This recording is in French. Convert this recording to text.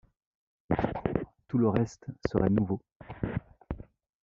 Tout le reste serait nouveau.